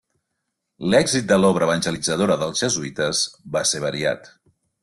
L'èxit de l'obra evangelitzadora dels jesuïtes va ser variat.